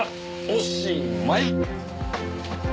おしまい！